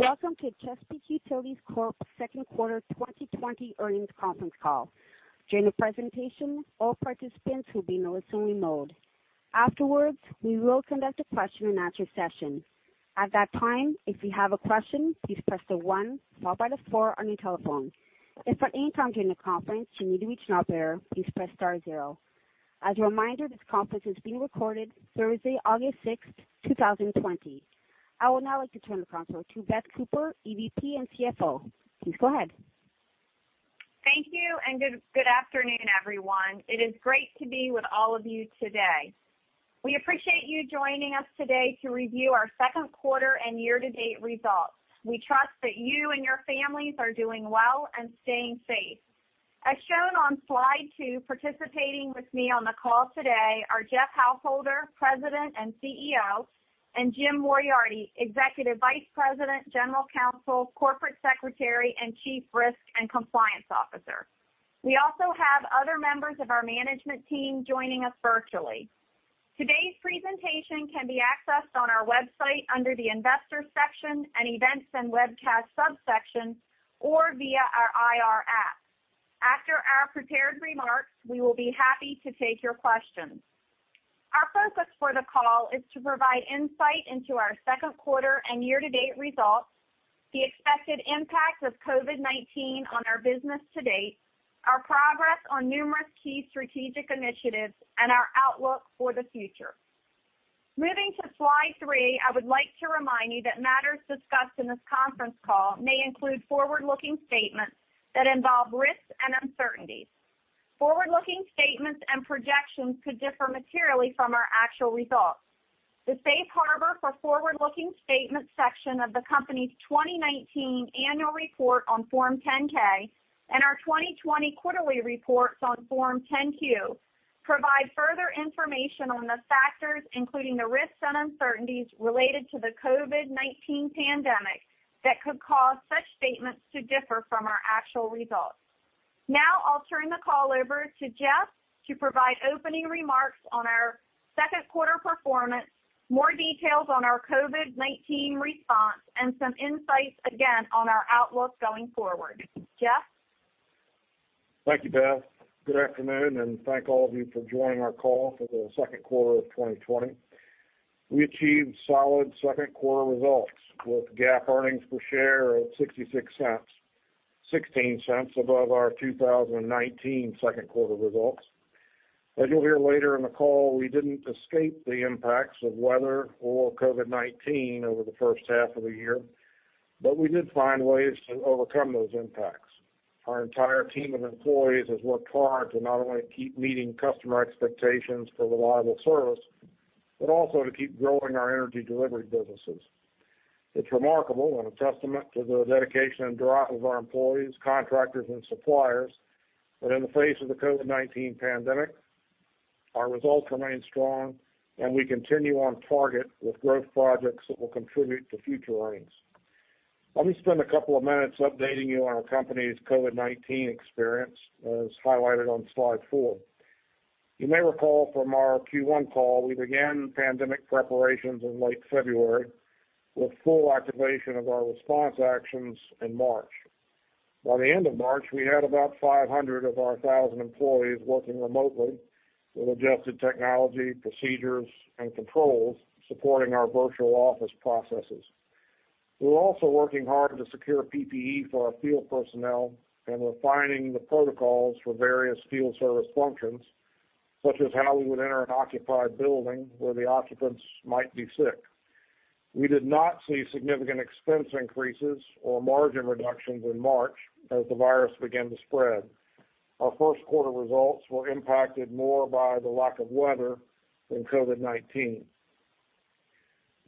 Welcome to Chesapeake Utilities Corp. Second Quarter 2020 Earnings Conference Call. During the presentation, all participants will be in a listening mode. Afterwards, we will conduct a question-and-answer session. At that time, if you have a question, please press the one followed by the four on your telephone. If at any time during the conference you need to reach an operator, please press star zero. As a reminder, this conference is being recorded Thursday, August 6th, 2020. I would now like to turn the conference over to Beth Cooper, EVP and CFO. Please go ahead. Thank you and good afternoon, everyone. It is great to be with all of you today. We appreciate you joining us today to review our second quarter and year-to-date results. We trust that you and your families are doing well and staying safe. As shown on slide two, participating with me on the call today are Jeff Householder, President and CEO, and Jim Moriarty, Executive Vice President, General Counsel, Corporate Secretary, and Chief Risk and Compliance Officer. We also have other members of our management team joining us virtually. Today's presentation can be accessed on our website under the Investor section and Events and Webcast subsection, or via our IR app. After our prepared remarks, we will be happy to take your questions. Our focus for the call is to provide insight into our second quarter and year-to-date results, the expected impact of COVID-19 on our business to date, our progress on numerous key strategic initiatives, and our outlook for the future. Moving to slide three, I would like to remind you that matters discussed in this conference call may include forward-looking statements that involve risks and uncertainties. Forward-looking statements and projections could differ materially from our actual results. The safe harbor for forward-looking statements section of the company's 2019 annual report on Form 10-K and our 2020 quarterly reports on Form 10-Q provide further information on the factors, including the risks and uncertainties related to the COVID-19 pandemic that could cause such statements to differ from our actual results. Now I'll turn the call over to Jeff to provide opening remarks on our second quarter performance, more details on our COVID-19 response, and some insights again on our outlook going forward. Jeff? Thank you, Beth. Good afternoon and thank all of you for joining our call for the second quarter of 2020. We achieved solid second quarter results with GAAP earnings per share of $0.66, $0.16 above our 2019 second quarter results. As you'll hear later in the call, we didn't escape the impacts of weather or COVID-19 over the first half of the year, but we did find ways to overcome those impacts. Our entire team of employees has worked hard to not only keep meeting customer expectations for reliable service, but also to keep growing our energy delivery businesses. It's remarkable and a testament to the dedication and drive of our employees, contractors, and suppliers that in the face of the COVID-19 pandemic, our results remain strong and we continue on target with growth projects that will contribute to future earnings. Let me spend a couple of minutes updating you on our company's COVID-19 experience, as highlighted on slide four. You may recall from our Q1 call, we began pandemic preparations in late February with full activation of our response actions in March. By the end of March, we had about 500 of our 1,000 employees working remotely with adjusted technology, procedures, and controls supporting our virtual office processes. We were also working hard to secure PPE for our field personnel and refining the protocols for various field service functions, such as how we would enter an occupied building where the occupants might be sick. We did not see significant expense increases or margin reductions in March as the virus began to spread. Our first quarter results were impacted more by the lack of weather than COVID-19.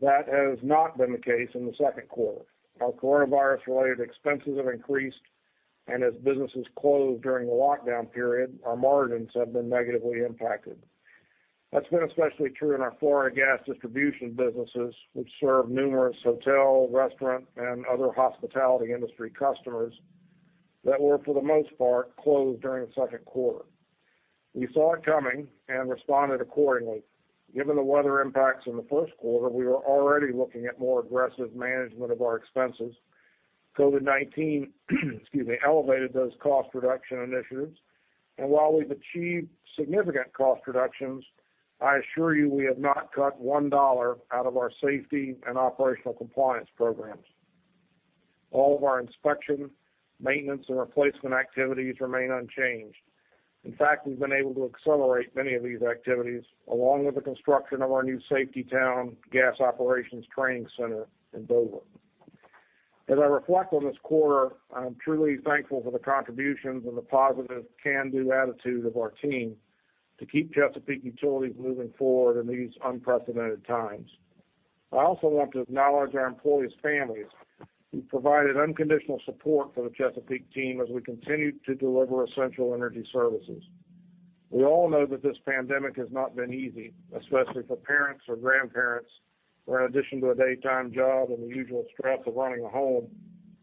That has not been the case in the second quarter. Our coronavirus-related expenses have increased, and as businesses closed during the lockdown period, our margins have been negatively impacted. That's been especially true in our Florida gas distribution businesses, which serve numerous hotel, restaurant, and other hospitality industry customers that were, for the most part, closed during the second quarter. We saw it coming and responded accordingly. Given the weather impacts in the first quarter, we were already looking at more aggressive management of our expenses. COVID-19, excuse me, elevated those cost reduction initiatives, and while we've achieved significant cost reductions, I assure you we have not cut one dollar out of our safety and operational compliance programs. All of our inspection, maintenance, and replacement activities remain unchanged. In fact, we've been able to accelerate many of these activities along with the construction of our new Safety Town gas operations training center in Beaufort. As I reflect on this quarter, I'm truly thankful for the contributions and the positive can-do attitude of our team to keep Chesapeake Utilities moving forward in these unprecedented times. I also want to acknowledge our employees' families who've provided unconditional support for the Chesapeake team as we continue to deliver essential energy services. We all know that this pandemic has not been easy, especially for parents or grandparents, where in addition to a daytime job and the usual stress of running a home,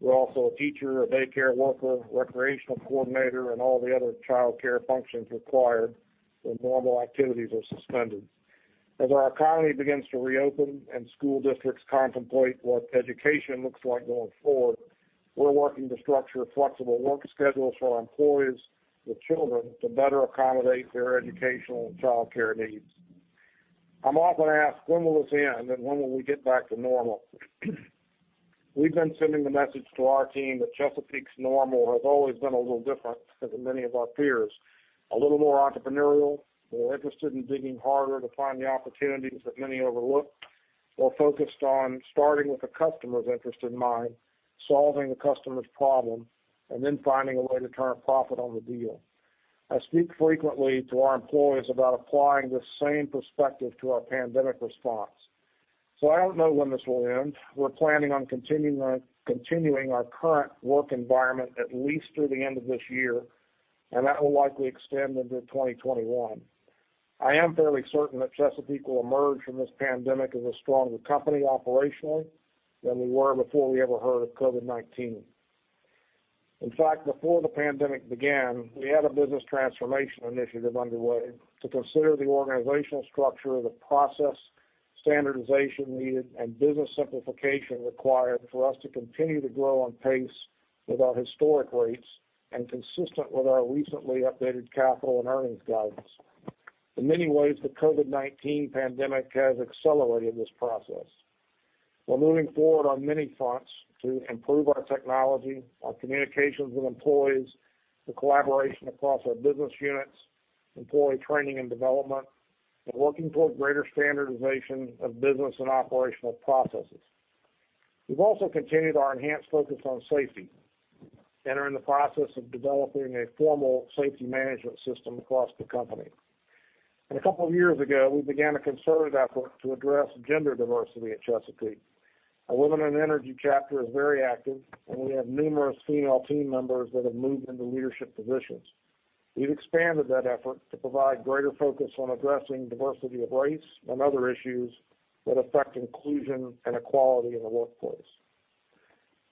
you're also a teacher, a daycare worker, recreational coordinator, and all the other childcare functions required when normal activities are suspended. As our economy begins to reopen and school districts contemplate what education looks like going forward, we're working to structure flexible work schedules for our employees with children to better accommodate their educational and childcare needs. I'm often asked, when will this end and when will we get back to normal? We've been sending the message to our team that Chesapeake's normal has always been a little different than many of our peers. A little more entrepreneurial, more interested in digging harder to find the opportunities that many overlook, more focused on starting with the customer's interest in mind, solving the customer's problem, and then finding a way to turn a profit on the deal. I speak frequently to our employees about applying the same perspective to our pandemic response. So I don't know when this will end. We're planning on continuing our current work environment at least through the end of this year, and that will likely extend into 2021. I am fairly certain that Chesapeake will emerge from this pandemic as a stronger company operationally than we were before we ever heard of COVID-19. In fact, before the pandemic began, we had a business transformation initiative underway to consider the organizational structure, the process standardization needed, and business simplification required for us to continue to grow on pace with our historic rates and consistent with our recently updated capital and earnings guidance. In many ways, the COVID-19 pandemic has accelerated this process. We're moving forward on many fronts to improve our technology, our communications with employees, the collaboration across our business units, employee training and development, and working toward greater standardization of business and operational processes. We've also continued our enhanced focus on safety, entering the process of developing a formal safety management system across the company, and a couple of years ago, we began a concerted effort to address gender diversity at Chesapeake. Our Women in Energy chapter is very active, and we have numerous female team members that have moved into leadership positions. We've expanded that effort to provide greater focus on addressing diversity of race and other issues that affect inclusion and equality in the workplace.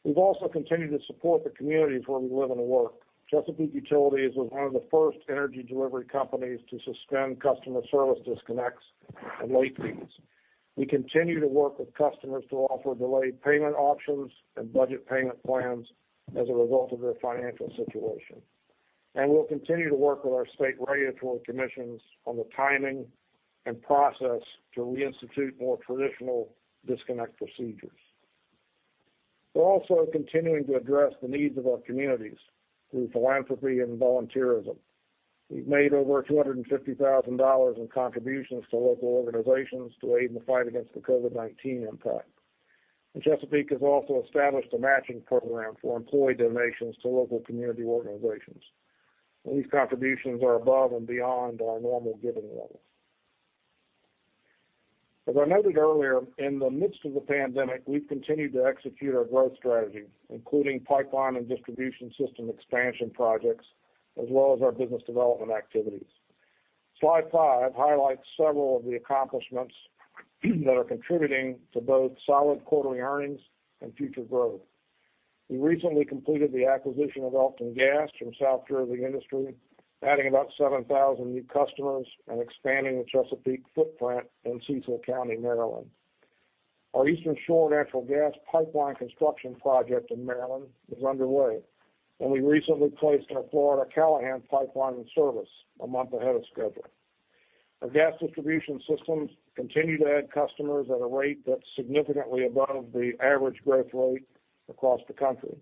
We've also continued to support the communities where we live and work. Chesapeake Utilities was one of the first energy delivery companies to suspend customer service disconnects and late fees. We continue to work with customers to offer delayed payment options and budget payment plans as a result of their financial situation, and we'll continue to work with our state regulatory commissions on the timing and process to reinstitute more traditional disconnect procedures. We're also continuing to address the needs of our communities through philanthropy and volunteerism. We've made over $250,000 in contributions to local organizations to aid in the fight against the COVID-19 impact. Chesapeake has also established a matching program for employee donations to local community organizations. These contributions are above and beyond our normal giving level. As I noted earlier, in the midst of the pandemic, we've continued to execute our growth strategy, including pipeline and distribution system expansion projects, as well as our business development activities. Slide five highlights several of the accomplishments that are contributing to both solid quarterly earnings and future growth. We recently completed the acquisition of Elkton Gas from South Jersey Industries, adding about 7,000 new customers and expanding the Chesapeake footprint in Cecil County, Maryland. Our Eastern Shore Natural Gas pipeline construction project in Maryland is underway, and we recently placed our Florida Callahan pipeline in service a month ahead of schedule. Our gas distribution systems continue to add customers at a rate that's significantly above the average growth rate across the country.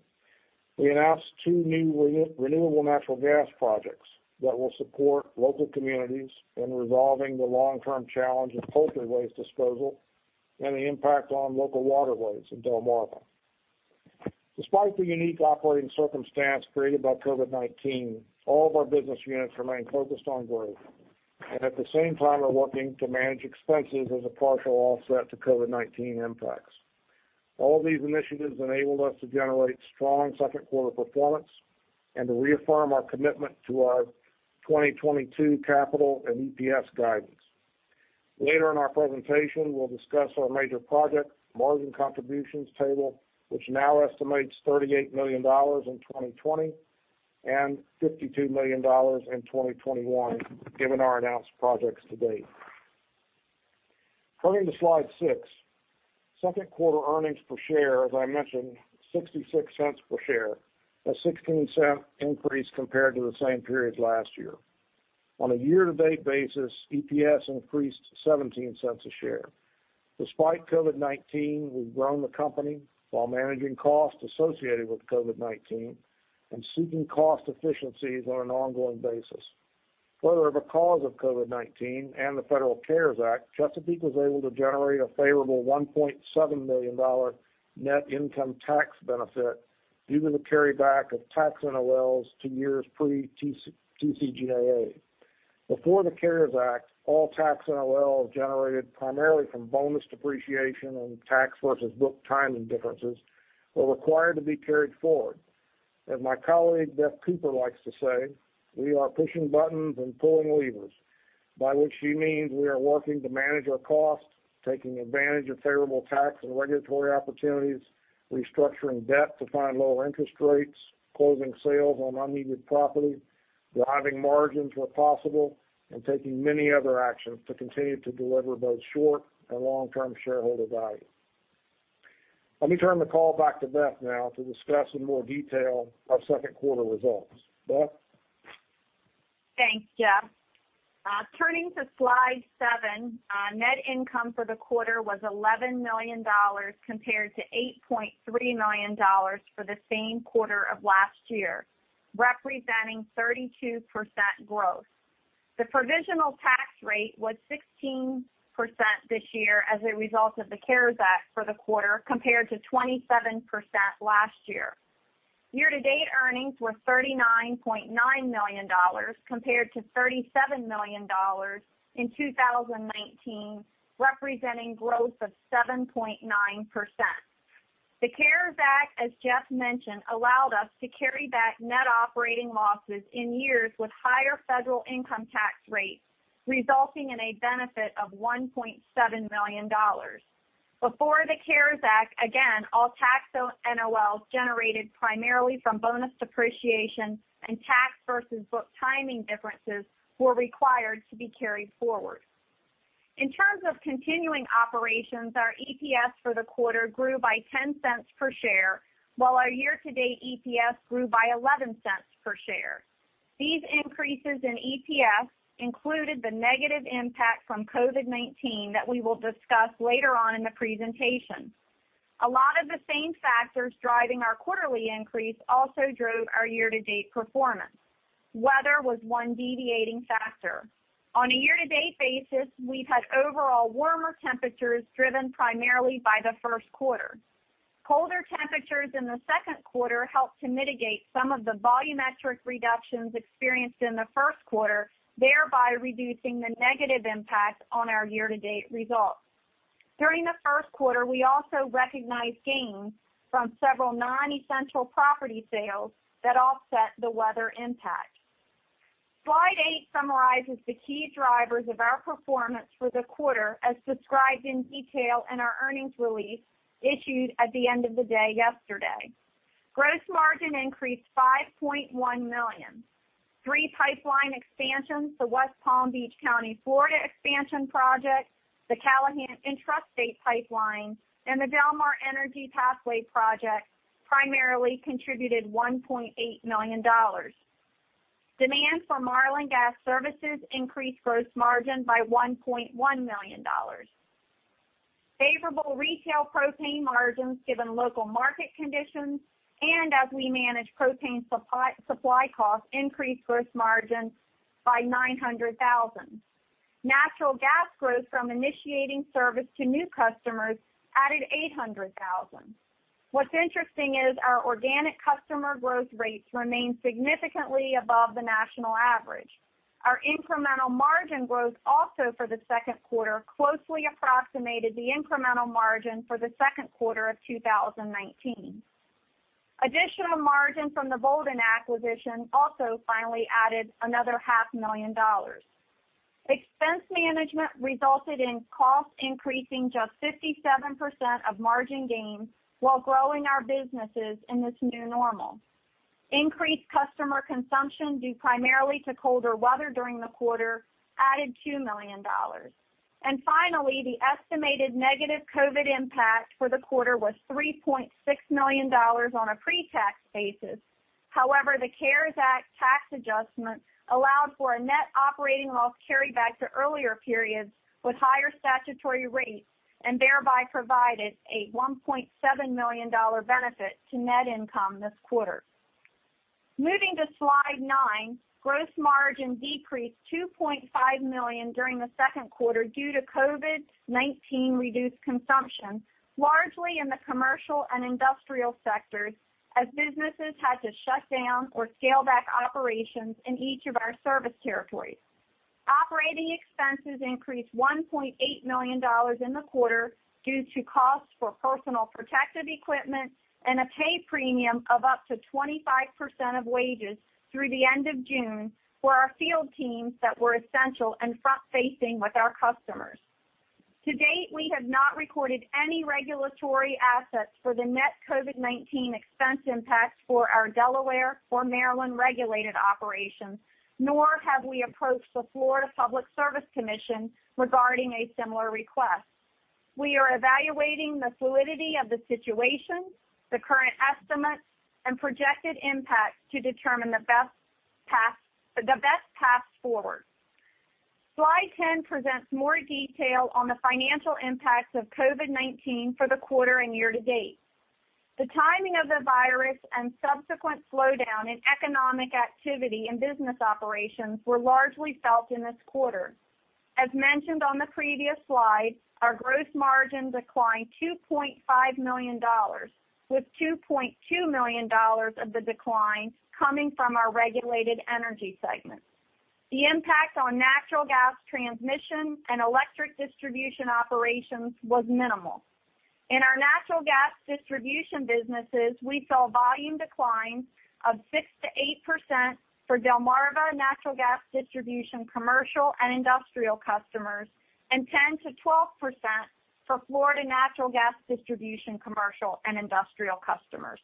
We announced two new renewable natural gas projects that will support local communities in resolving the long-term challenge of poultry waste disposal and the impact on local waterways in Delmarva. Despite the unique operating circumstance created by COVID-19, all of our business units remain focused on growth and at the same time are working to manage expenses as a partial offset to COVID-19 impacts. All of these initiatives enabled us to generate strong second quarter performance and to reaffirm our commitment to our 2022 capital and EPS guidance. Later in our presentation, we'll discuss our major project margin contributions table, which now estimates $38 million in 2020 and $52 million in 2021, given our announced projects to date. Turning to slide six, second quarter earnings per share, as I mentioned, $0.66 per share, a $0.16 increase compared to the same period last year. On a year-to-date basis, EPS increased 17 cents a share. Despite COVID-19, we've grown the company while managing costs associated with COVID-19 and seeking cost efficiencies on an ongoing basis. Further, because of COVID-19 and the Federal CARES Act, Chesapeake was able to generate a favorable $1.7 million net income tax benefit due to the carryback of tax NOLs to years pre-TCJA. Before the CARES Act, all tax NOLs generated primarily from bonus depreciation and tax versus book timing differences were required to be carried forward. As my colleague Beth Cooper likes to say, we are pushing buttons and pulling levers, by which she means we are working to manage our costs, taking advantage of favorable tax and regulatory opportunities, restructuring debt to find lower interest rates, closing sales on unneeded property, driving margins where possible, and taking many other actions to continue to deliver both short and long-term shareholder value. Let me turn the call back to Beth now to discuss in more detail our second quarter results. Beth? Thanks, Jeff. Turning to slide seven, net income for the quarter was $11 million compared to $8.3 million for the same quarter of last year, representing 32% growth. The provisional tax rate was 16% this year as a result of the CARES Act for the quarter compared to 27% last year. Year-to-date earnings were $39.9 million compared to $37 million in 2019, representing growth of 7.9%. The CARES Act, as Jeff mentioned, allowed us to carry back net operating losses in years with higher federal income tax rates, resulting in a benefit of $1.7 million. Before the CARES Act, again, all tax NOLs generated primarily from bonus depreciation and tax versus book timing differences were required to be carried forward. In terms of continuing operations, our EPS for the quarter grew by $0.10 per share, while our year-to-date EPS grew by $0.11 per share. These increases in EPS included the negative impact from COVID-19 that we will discuss later on in the presentation. A lot of the same factors driving our quarterly increase also drove our year-to-date performance. Weather was one deviating factor. On a year-to-date basis, we've had overall warmer temperatures driven primarily by the first quarter. Colder temperatures in the second quarter helped to mitigate some of the volumetric reductions experienced in the first quarter, thereby reducing the negative impact on our year-to-date results. During the first quarter, we also recognized gains from several non-essential property sales that offset the weather impact. Slide eight summarizes the key drivers of our performance for the quarter, as described in detail in our earnings release issued at the end of the day yesterday. Gross margin increased $5.1 million. Three pipeline expansions, the West Palm Beach County Expansion Project, the Callahan Intrastate Pipeline, and the Delmar Energy Pathway primarily contributed $1.8 million. Demand for Marlin Gas Services increased gross margin by $1.1 million. Favorable retail propane margins given local market conditions and as we manage propane supply costs increased gross margin by $900,000. Natural gas growth from initiating service to new customers added $800,000. What's interesting is our organic customer growth rates remain significantly above the national average. Our incremental margin growth also for the second quarter closely approximated the incremental margin for the second quarter of 2019. Additional margin from the Boulden acquisition also finally added another $500,000. Expense management resulted in costs increasing just 57% of margin gain while growing our businesses in this new normal. Increased customer consumption due primarily to colder weather during the quarter added $2 million. And finally, the estimated negative COVID-19 impact for the quarter was $3.6 million on a pre-tax basis. However, the CARES Act tax adjustment allowed for a net operating loss carryback to earlier periods with higher statutory rates and thereby provided a $1.7 million benefit to net income this quarter. Moving to slide nine, gross margin decreased $2.5 million during the second quarter due to COVID-19 reduced consumption, largely in the commercial and industrial sectors as businesses had to shut down or scale back operations in each of our service territories. Operating expenses increased $1.8 million in the quarter due to costs for personal protective equipment and a pay premium of up to 25% of wages through the end of June for our field teams that were essential and front-facing with our customers. To date, we have not recorded any regulatory assets for the net COVID-19 expense impacts for our Delaware or Maryland regulated operations, nor have we approached the Florida Public Service Commission regarding a similar request. We are evaluating the fluidity of the situation, the current estimates, and projected impacts to determine the best path forward. Slide 10 presents more detail on the financial impacts of COVID-19 for the quarter and year-to-date. The timing of the virus and subsequent slowdown in economic activity and business operations were largely felt in this quarter. As mentioned on the previous slide, our gross margin declined $2.5 million, with $2.2 million of the decline coming from our regulated energy segment. The impact on natural gas transmission and electric distribution operations was minimal. In our natural gas distribution businesses, we saw volume declines of 6%-8% for Delmarva Natural Gas Distribution commercial and industrial customers and 10%-12% for Florida Natural Gas Distribution commercial and industrial customers.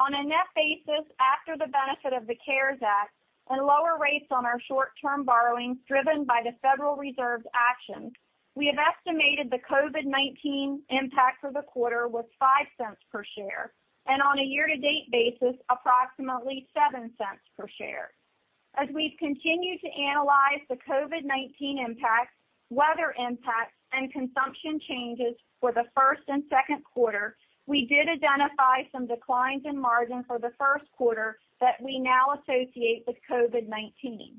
On a net basis, after the benefit of the CARES Act and lower rates on our short-term borrowing driven by the Federal Reserve's actions, we have estimated the COVID-19 impact for the quarter was $0.05 per share, and on a year-to-date basis, approximately $0.07 per share. As we've continued to analyze the COVID-19 impacts, weather impacts, and consumption changes for the first and second quarter, we did identify some declines in margin for the first quarter that we now associate with COVID-19.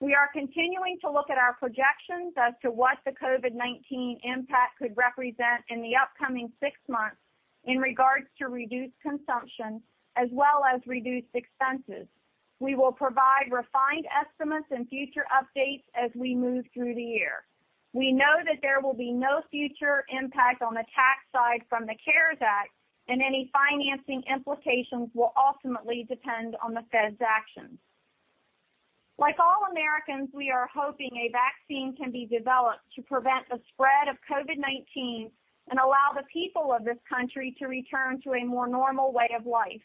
We are continuing to look at our projections as to what the COVID-19 impact could represent in the upcoming six months in regards to reduced consumption as well as reduced expenses. We will provide refined estimates and future updates as we move through the year. We know that there will be no future impact on the tax side from the CARES Act, and any financing implications will ultimately depend on the Fed's actions. Like all Americans, we are hoping a vaccine can be developed to prevent the spread of COVID-19 and allow the people of this country to return to a more normal way of life.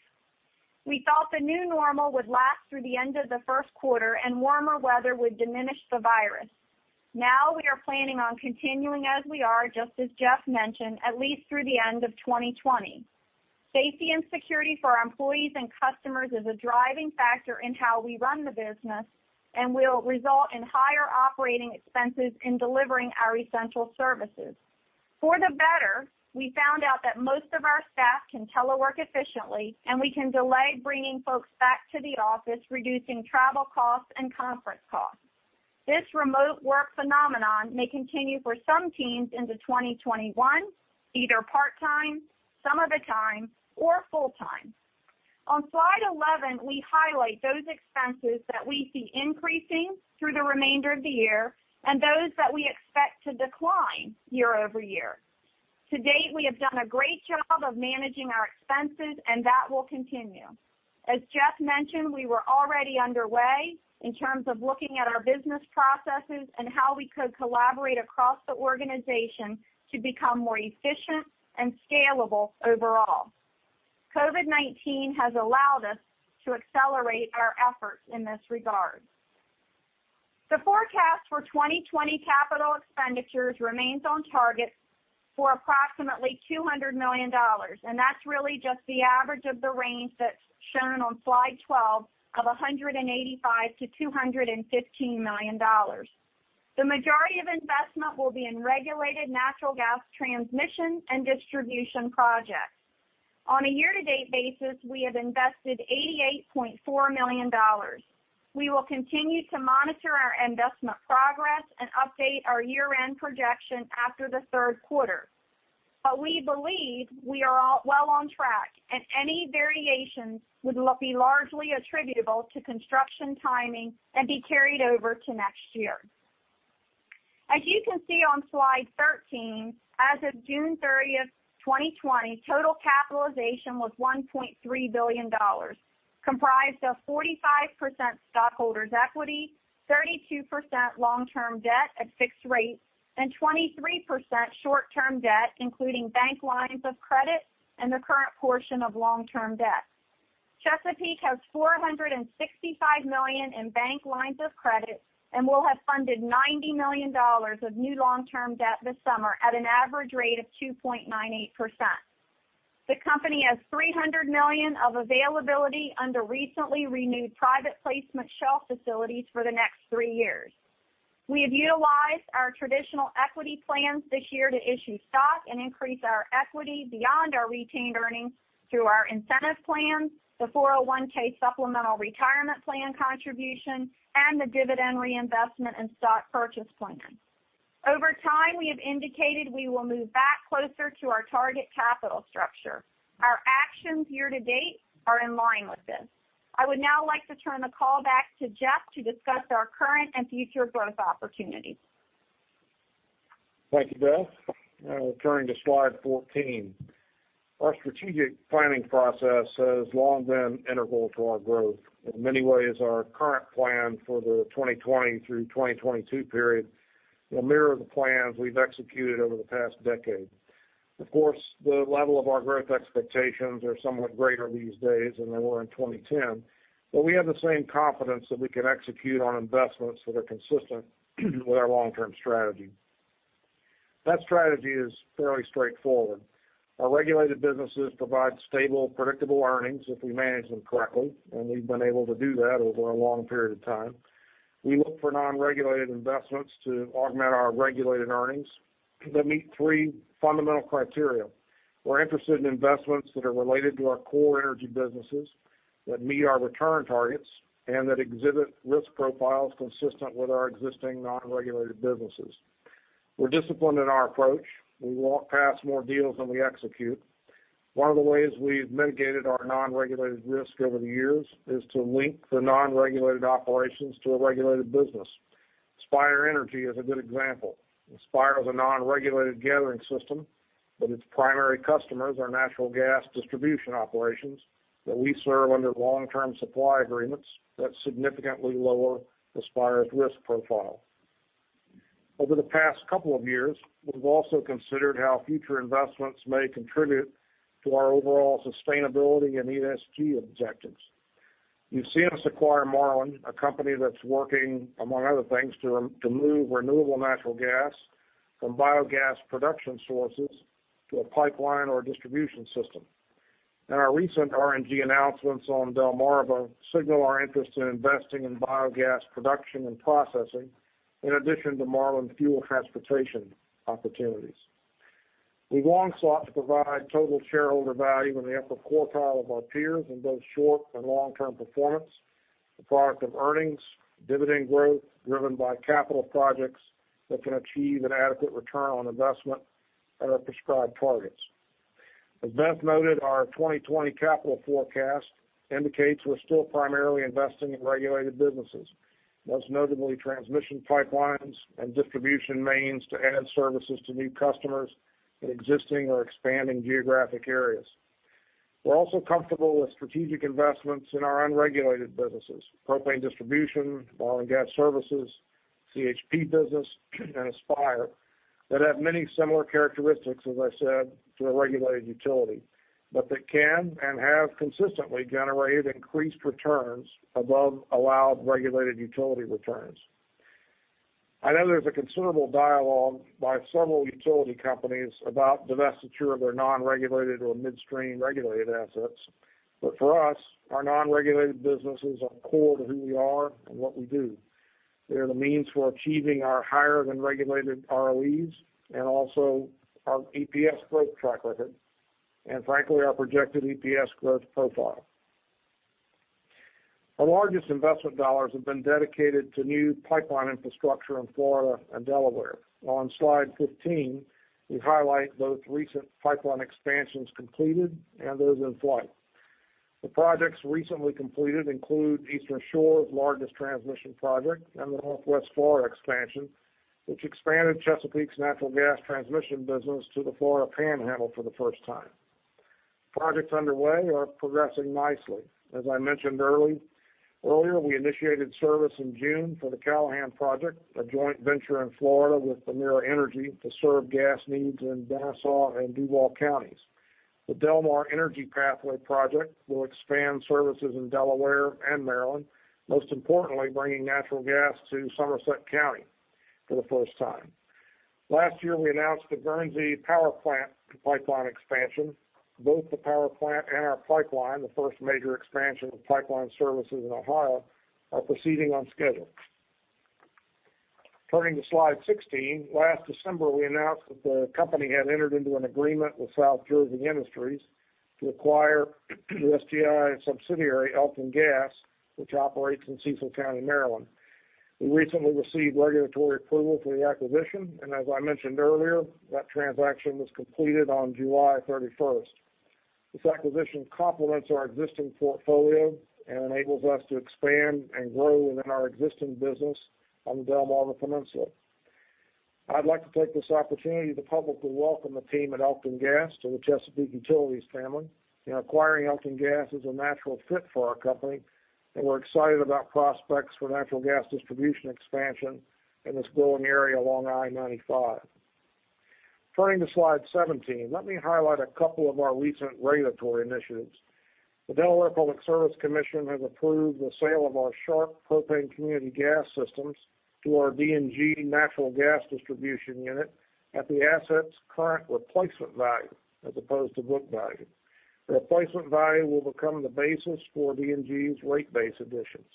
We thought the new normal would last through the end of the first quarter, and warmer weather would diminish the virus. Now we are planning on continuing as we are, just as Jeff mentioned, at least through the end of 2020. Safety and security for our employees and customers is a driving factor in how we run the business and will result in higher operating expenses in delivering our essential services. For the better, we found out that most of our staff can telework efficiently, and we can delay bringing folks back to the office, reducing travel costs and conference costs. This remote work phenomenon may continue for some teams into 2021, either part-time, some of the time, or full-time. On slide 11, we highlight those expenses that we see increasing through the remainder of the year and those that we expect to decline year over year. To date, we have done a great job of managing our expenses, and that will continue. As Jeff mentioned, we were already underway in terms of looking at our business processes and how we could collaborate across the organization to become more efficient and scalable overall. COVID-19 has allowed us to accelerate our efforts in this regard. The forecast for 2020 capital expenditures remains on target for approximately $200 million, and that's really just the average of the range that's shown on slide 12 of $185 million-$215 million. The majority of investment will be in regulated natural gas transmission and distribution projects. On a year-to-date basis, we have invested $88.4 million. We will continue to monitor our investment progress and update our year-end projection after the third quarter. But we believe we are well on track, and any variations would be largely attributable to construction timing and be carried over to next year. As you can see on slide 13, as of June 30, 2020, total capitalization was $1.3 billion, comprised of 45% stockholders' equity, 32% long-term debt at fixed rates, and 23% short-term debt, including bank lines of credit and the current portion of long-term debt. Chesapeake has $465 million in bank lines of credit and will have funded $90 million of new long-term debt this summer at an average rate of 2.98%. The company has $300 million of availability under recently renewed private placement shelf facilities for the next three years. We have utilized our traditional equity plans this year to issue stock and increase our equity beyond our retained earnings through our incentive plan, the 401(k) supplemental retirement plan contribution, and the dividend reinvestment and stock purchase plan. Over time, we have indicated we will move back closer to our target capital structure. Our actions year-to-date are in line with this. I would now like to turn the call back to Jeff to discuss our current and future growth opportunities. Thank you, Beth. Returning to slide 14, our strategic planning process has long been integral to our growth. In many ways, our current plan for the 2020 through 2022 period will mirror the plans we've executed over the past decade. Of course, the level of our growth expectations are somewhat greater these days than they were in 2010, but we have the same confidence that we can execute on investments that are consistent with our long-term strategy. That strategy is fairly straightforward. Our regulated businesses provide stable, predictable earnings if we manage them correctly, and we've been able to do that over a long period of time. We look for non-regulated investments to augment our regulated earnings that meet three fundamental criteria. We're interested in investments that are related to our core energy businesses, that meet our return targets, and that exhibit risk profiles consistent with our existing non-regulated businesses. We're disciplined in our approach. We walk past more deals than we execute. One of the ways we've mitigated our non-regulated risk over the years is to link the non-regulated operations to a regulated business. Aspire Energy is a good example. Aspire is a non-regulated gathering system, but its primary customers are natural gas distribution operations that we serve under long-term supply agreements that significantly lower the Aspire's risk profile. Over the past couple of years, we've also considered how future investments may contribute to our overall sustainability and ESG objectives. You've seen us acquire Marlin, a company that's working, among other things, to move renewable natural gas from biogas production sources to a pipeline or distribution system, and our recent RNG announcements on Delmarva signal our interest in investing in biogas production and processing in addition to Marlin fuel transportation opportunities. We've long sought to provide total shareholder value in the upper quartile of our peers in both short and long-term performance, the product of earnings, dividend growth driven by capital projects that can achieve an adequate return on investment at our prescribed targets. As Beth noted, our 2020 capital forecast indicates we're still primarily investing in regulated businesses, most notably transmission pipelines and distribution mains to add services to new customers in existing or expanding geographic areas. We're also comfortable with strategic investments in our unregulated businesses: propane distribution, Marlin Gas Services, CHP Business, and Aspire that have many similar characteristics, as I said, to a regulated utility, but that can and have consistently generated increased returns above allowed regulated utility returns. I know there's a considerable dialogue by several utility companies about the divestiture of their non-regulated or midstream regulated assets, but for us, our non-regulated businesses are core to who we are and what we do. They are the means for achieving our higher-than-regulated ROEs and also our EPS growth track record and, frankly, our projected EPS growth profile. Our largest investment dollars have been dedicated to new pipeline infrastructure in Florida and Delaware. On slide 15, we highlight both recent pipeline expansions completed and those in flight. The projects recently completed include Eastern Shore's largest transmission project and the Northwest Florida expansion, which expanded Chesapeake's natural gas transmission business to the Florida Panhandle for the first time. Projects underway are progressing nicely. As I mentioned earlier, we initiated service in June for the Callahan project, a joint venture in Florida with Emera Inc. to serve gas needs in Nassau and Duval counties. The Delmar Energy Pathway project will expand services in Delaware and Maryland, most importantly bringing natural gas to Somerset County for the first time. Last year, we announced the Guernsey Power Plant pipeline expansion. Both the power plant and our pipeline, the first major expansion of pipeline services in Ohio, are proceeding on schedule. Turning to slide 16, last December, we announced that the company had entered into an agreement with South Jersey Industries to acquire the SJI subsidiary Elkton Gas, which operates in Cecil County, Maryland. We recently received regulatory approval for the acquisition, and as I mentioned earlier, that transaction was completed on July 31. This acquisition complements our existing portfolio and enables us to expand and grow within our existing business on the Delmarva Peninsula. I'd like to take this opportunity to publicly welcome the team at Elkton Gas to the Chesapeake Utilities family. Acquiring Elkton Gas is a natural fit for our company, and we're excited about prospects for natural gas distribution expansion in this growing area along I-95. Turning to slide 17, let me highlight a couple of our recent regulatory initiatives. The Delaware Public Service Commission has approved the sale of our Sharp Propane Community Gas Systems to our DNG Natural Gas Distribution Unit at the asset's current replacement value as opposed to book value. The replacement value will become the basis for DNG's rate-based additions,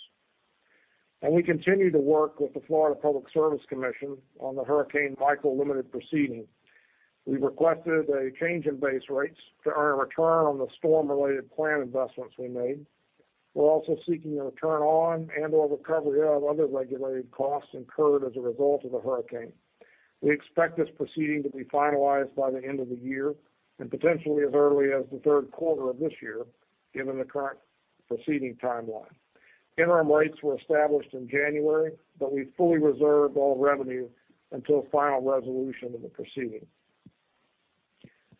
and we continue to work with the Florida Public Service Commission on the Hurricane Michael limited proceeding. We've requested a change in base rates to earn a return on the storm-related plan investments we made. We're also seeking a return on and/or recovery of other regulated costs incurred as a result of the hurricane. We expect this proceeding to be finalized by the end of the year and potentially as early as the third quarter of this year, given the current proceeding timeline. Interim rates were established in January, but we fully reserve all revenue until final resolution of the proceeding.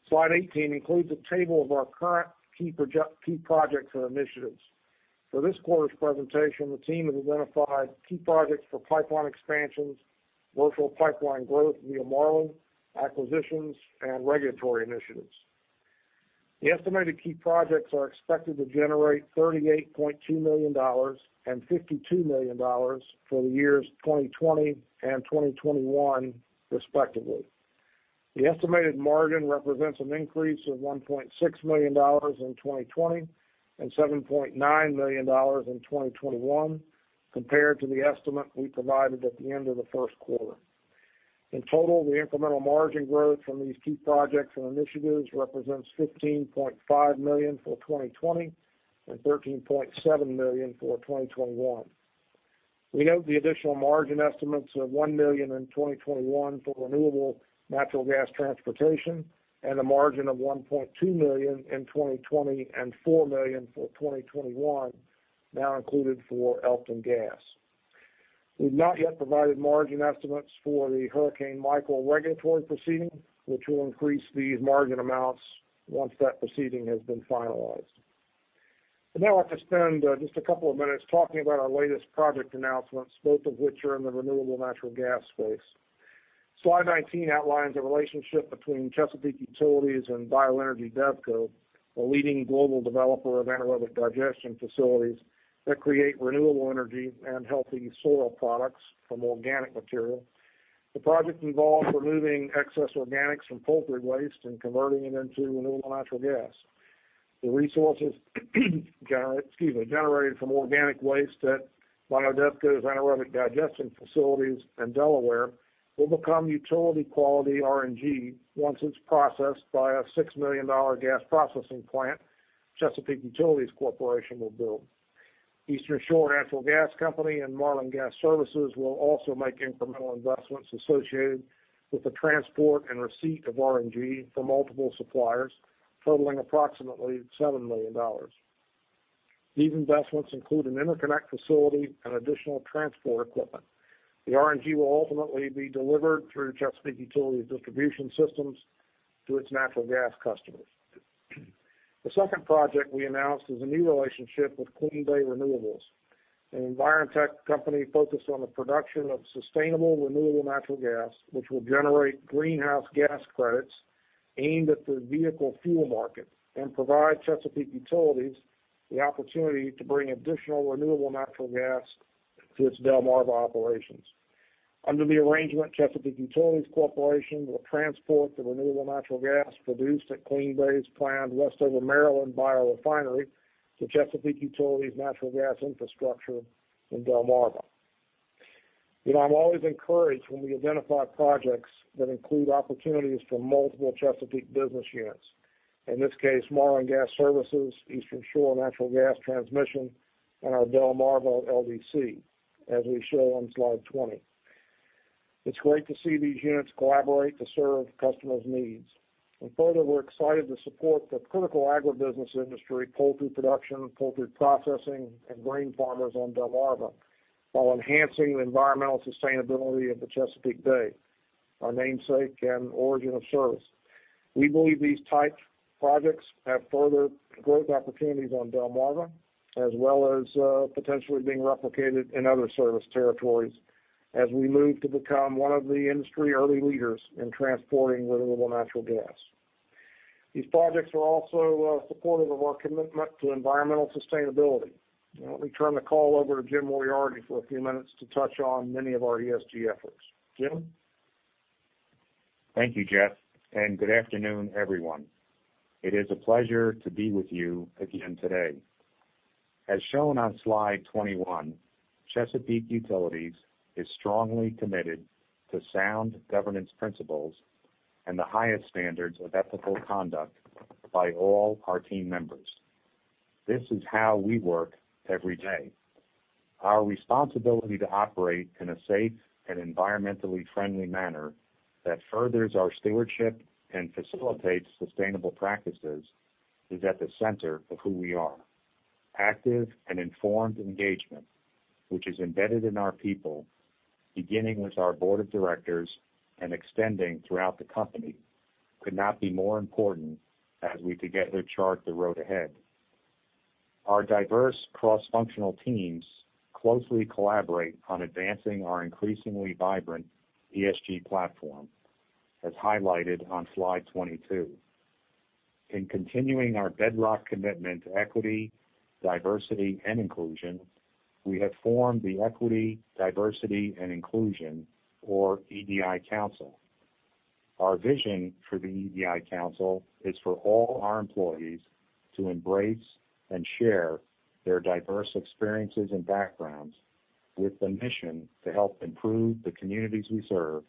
Slide 18 includes a table of our current key projects and initiatives. For this quarter's presentation, the team has identified key projects for pipeline expansions, virtual pipeline growth via Marlin, acquisitions, and regulatory initiatives. The estimated key projects are expected to generate $38.2 million and $52 million for the years 2020 and 2021, respectively. The estimated margin represents an increase of $1.6 million in 2020 and $7.9 million in 2021 compared to the estimate we provided at the end of the first quarter. In total, the incremental margin growth from these key projects and initiatives represents $15.5 million for 2020 and $13.7 million for 2021. We note the additional margin estimates of $1 million in 2021 for renewable natural gas transportation and a margin of $1.2 million in 2020 and $4 million for 2021, now included for Elkton Gas. We've not yet provided margin estimates for the Hurricane Michael regulatory proceeding, which will increase these margin amounts once that proceeding has been finalized. I'd now like to spend just a couple of minutes talking about our latest project announcements, both of which are in the renewable natural gas space. Slide 19 outlines a relationship between Chesapeake Utilities and Bioenergy DevCo, a leading global developer of anaerobic digestion facilities that create renewable energy and healthy soil products from organic material. The project involves removing excess organics from poultry waste and converting it into renewable natural gas. The resources generated from organic waste at Bioenergy DevCo's anaerobic digestion facilities in Delaware will become utility-quality RNG once it's processed by a $6 million gas processing plant Chesapeake Utilities Corporation will build. Eastern Shore Natural Gas Company and Marlin Gas Services will also make incremental investments associated with the transport and receipt of RNG from multiple suppliers, totaling approximately $7 million. These investments include an interconnect facility and additional transport equipment. The RNG will ultimately be delivered through Chesapeake Utilities' distribution systems to its natural gas customers. The second project we announced is a new relationship with CleanBay Renewables, an environmental company focused on the production of sustainable renewable natural gas, which will generate greenhouse gas credits aimed at the vehicle fuel market and provide Chesapeake Utilities the opportunity to bring additional renewable natural gas to its Delmarva operations. Under the arrangement, Chesapeake Utilities Corporation will transport the renewable natural gas produced at CleanBay Renewables' planned Westover, Maryland biorefinery to Chesapeake Utilities' natural gas infrastructure in Delmarva. I'm always encouraged when we identify projects that include opportunities for multiple Chesapeake business units, in this case, Marlin Gas Services, Eastern Shore Natural Gas, and our Delmarva LDC, as we show on slide 20. It's great to see these units collaborate to serve customers' needs. Further, we're excited to support the critical agribusiness industry, poultry production, poultry processing, and grain farmers on Delmarva while enhancing the environmental sustainability of the Chesapeake Bay, our namesake and origin of service. We believe these type projects have further growth opportunities on Delmarva, as well as potentially being replicated in other service territories as we move to become one of the industry early leaders in transporting renewable natural gas. These projects are also supportive of our commitment to environmental sustainability. Let me turn the call over to Jim Moriarty for a few minutes to touch on many of our ESG efforts. Jim? Thank you, Jeff, and good afternoon, everyone. It is a pleasure to be with you again today. As shown on slide 21, Chesapeake Utilities is strongly committed to sound governance principles and the highest standards of ethical conduct by all our team members. This is how we work every day. Our responsibility to operate in a safe and environmentally friendly manner that furthers our stewardship and facilitates sustainable practices is at the center of who we are. Active and informed engagement, which is embedded in our people, beginning with our board of directors and extending throughout the company, could not be more important as we together chart the road ahead. Our diverse cross-functional teams closely collaborate on advancing our increasingly vibrant ESG platform, as highlighted on slide 22. In continuing our bedrock commitment to equity, diversity, and inclusion, we have formed the Equity, Diversity, and Inclusion, or EDI Council. Our vision for the EDI Council is for all our employees to embrace and share their diverse experiences and backgrounds with the mission to help improve the communities we serve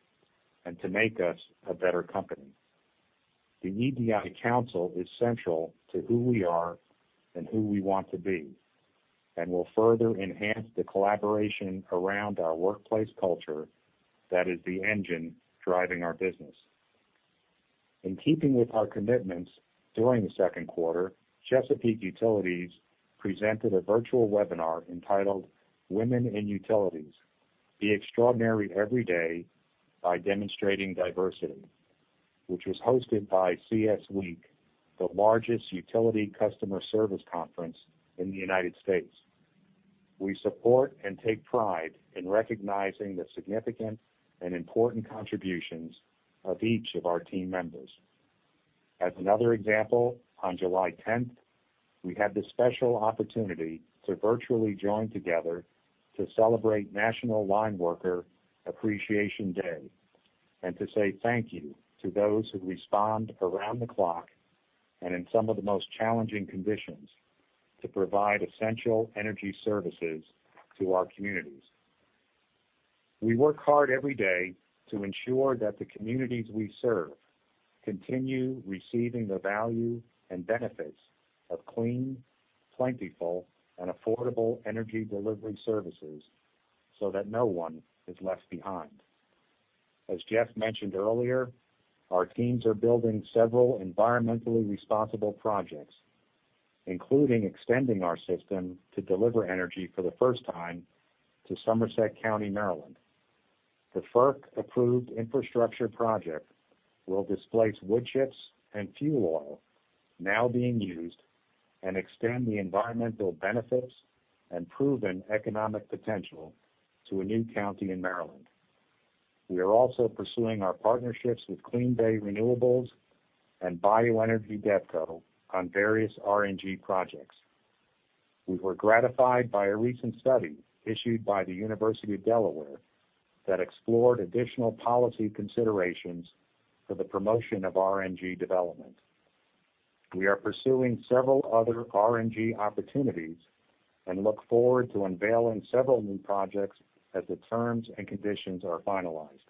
and to make us a better company. The EDI Council is central to who we are and who we want to be, and will further enhance the collaboration around our workplace culture that is the engine driving our business. In keeping with our commitments during the second quarter, Chesapeake Utilities presented a virtual webinar entitled "Women in Utilities: Be Extraordinary Every Day by Demonstrating Diversity," which was hosted by CS Week, the largest utility customer service conference in the United States. We support and take pride in recognizing the significant and important contributions of each of our team members. As another example, on July 10, we had the special opportunity to virtually join together to celebrate National Line Worker Appreciation Day and to say thank you to those who respond around the clock and in some of the most challenging conditions to provide essential energy services to our communities. We work hard every day to ensure that the communities we serve continue receiving the value and benefits of clean, plentiful, and affordable energy delivery services so that no one is left behind. As Jeff mentioned earlier, our teams are building several environmentally responsible projects, including extending our system to deliver energy for the first time to Somerset County, Maryland. The FERC-approved infrastructure project will displace wood chips and fuel oil now being used and extend the environmental benefits and proven economic potential to a new county in Maryland. We are also pursuing our partnerships with CleanBay Renewables and Bioenergy DevCo on various RNG projects. We were gratified by a recent study issued by the University of Delaware that explored additional policy considerations for the promotion of RNG development. We are pursuing several other RNG opportunities and look forward to unveiling several new projects as the terms and conditions are finalized.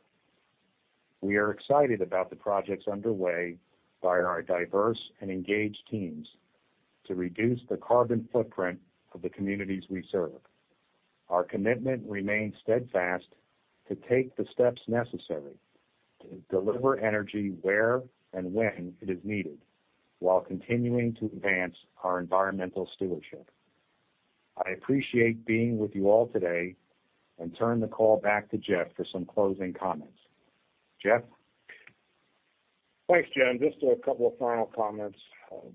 We are excited about the projects underway by our diverse and engaged teams to reduce the carbon footprint of the communities we serve. Our commitment remains steadfast to take the steps necessary to deliver energy where and when it is needed while continuing to advance our environmental stewardship. I appreciate being with you all today and turn the call back to Jeff for some closing comments. Jeff? Thanks, Jim. Just a couple of final comments.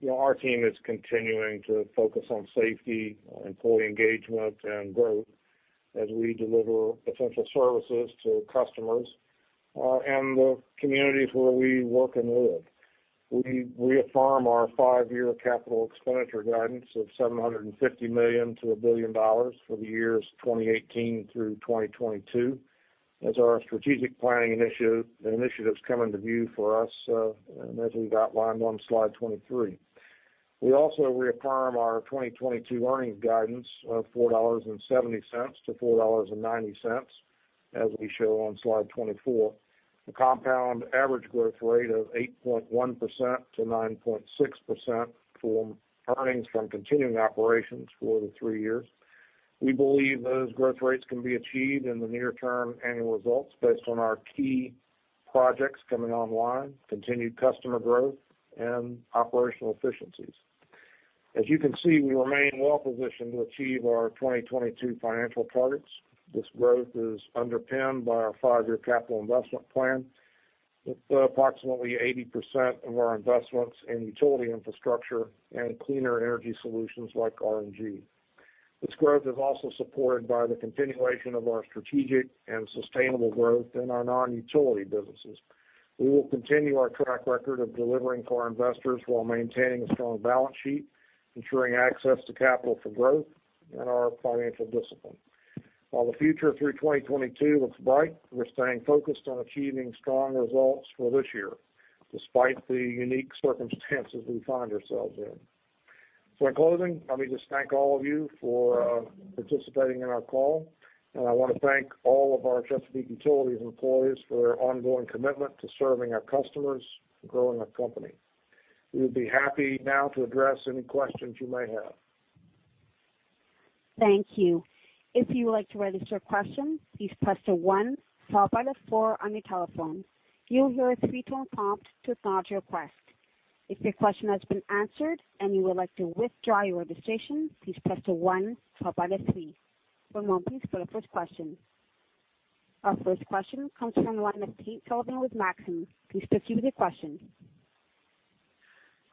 Our team is continuing to focus on safety, employee engagement, and growth as we deliver essential services to customers and the communities where we work and live. We reaffirm our five-year capital expenditure guidance of $750 million-$1 billion for the years 2018 through 2022 as our strategic planning initiatives come into view for us, as we've outlined on slide 23. We also reaffirm our 2022 earnings guidance of $4.70-$4.90, as we show on slide 24, a compound average growth rate of 8.1%-9.6% for earnings from continuing operations for the three years. We believe those growth rates can be achieved in the near-term annual results based on our key projects coming online, continued customer growth, and operational efficiencies. As you can see, we remain well-positioned to achieve our 2022 financial targets. This growth is underpinned by our five-year capital investment plan with approximately 80% of our investments in utility infrastructure and cleaner energy solutions like RNG. This growth is also supported by the continuation of our strategic and sustainable growth in our non-utility businesses. We will continue our track record of delivering for our investors while maintaining a strong balance sheet, ensuring access to capital for growth, and our financial discipline. While the future through 2022 looks bright, we're staying focused on achieving strong results for this year, despite the unique circumstances we find ourselves in. So in closing, let me just thank all of you for participating in our call, and I want to thank all of our Chesapeake Utilities employees for their ongoing commitment to serving our customers and growing our company. We would be happy now to address any questions you may have. Thank you. If you would like to register a question, please press the one, followed by the four on your telephone. You'll hear a three-tone prompt to acknowledge your request. If your question has been answered and you would like to withdraw your registration, please press the one, followed by the three. One moment, please, for the first question. Our first question comes from the line of Tate Sullivan with Maxim Group. Please proceed with your question.